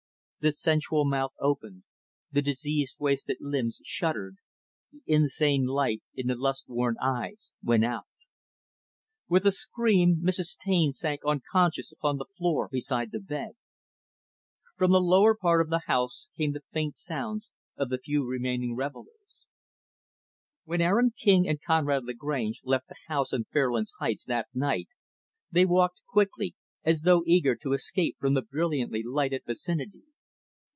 The sensual mouth opened the diseased wasted limbs shuddered the insane light in the lust worn eyes went out. With a scream, Mrs. Taine sank unconscious upon the floor beside the bed. From the lower part of the house came the faint sounds of the few remaining revelers. When Aaron King and Conrad Lagrange left the house on Fairlands Heights that night, they walked quickly, as though eager to escape from the brilliantly lighted vicinity.